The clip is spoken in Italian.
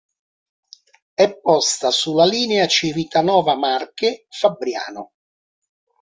È posta sulla linea Civitanova Marche-Fabriano.